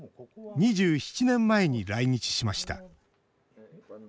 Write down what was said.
２７年前に来日しました。